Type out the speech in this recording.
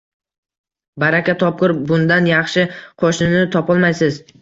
Baraka topgur, bundan yaxshi qoʻshnini topolmaysiz